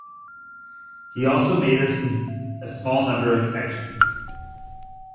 He also made a small number of etchings.